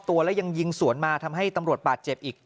ตัวแล้วยังยิงสวนมาทำให้ตำรวจบาดเจ็บอีก